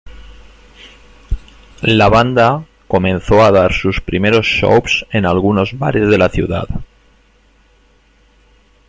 La banda comenzó a dar sus primeros shows en algunos bares de la ciudad.